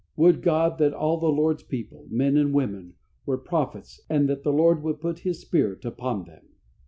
"Would God that all the Lord's people," men and women, "were prophets, and that the Lord would put His Spirit upon them!"